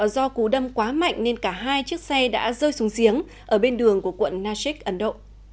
do cú đâm quá mạnh nên cả hai chiếc xe đã rơi xuống giếng ở bên đường của quận nashik ấn độ